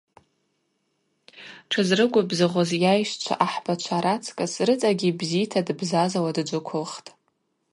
Тшызрыгвыбзыгъуз йайщчва ахӏбачва рацкӏыс рыцӏагьи бзита дбзазауа дджвыквылхтӏ.